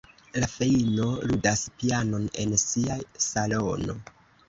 La feino ludas pianon en sia salono.